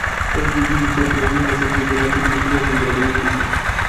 অন্তর্দ্বন্দ্বের জের ধরে রোহিঙ্গা সন্ত্রাসীদের হাতেই তিনি খুন হয়েছেন বলে দাবি পুলিশের।